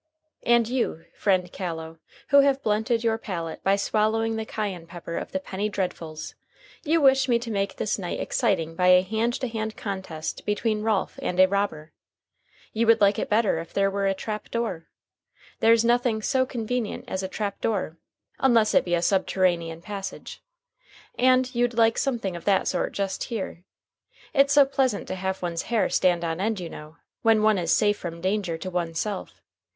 And you, friend Callow, who have blunted your palate by swallowing the Cayenne pepper of the penny dreadfuls, you wish me to make this night exciting by a hand to hand contest between Ralph and a robber. You would like it better if there were a trap door. There's nothing so convenient as a trap door, unless it be a subterranean passage. And you'd like something of that sort just here. It's so pleasant to have one's hair stand on end, you know, when one is safe from danger to one's self.